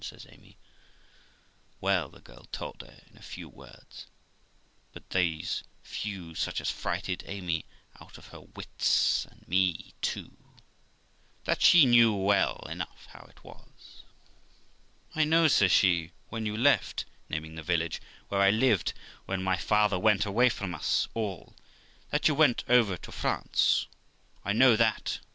says Amy. Well, the girl told her in a few words (but those few such as frighted Amy out of her wits, and me too) that she knew well enough how it was. 'I know', says she, when you left ', naming the village, 'where I lived when my father went away from us all, that you went over to France; I know that too.